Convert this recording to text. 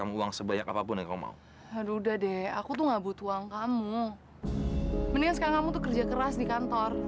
mendingan sekarang kamu kerja keras di kantor